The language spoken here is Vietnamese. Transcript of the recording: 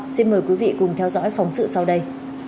xin mời quý vị cùng theo dõi phóng sự sau đây